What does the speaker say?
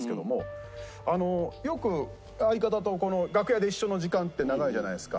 よく相方と楽屋で一緒の時間って長いじゃないですか。